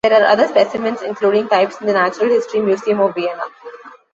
There are other specimens, including types in the Natural History Museum of Vienna.